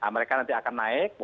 mereka nanti akan naik